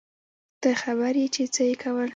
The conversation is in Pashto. ته خبر يې چې څه يې کول.